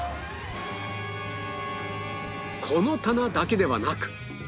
この棚だけではなく